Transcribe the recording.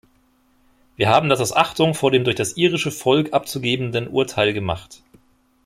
Wir haben das aus Achtung vor dem durch das irische Volk abzugebenden Urteil gemacht.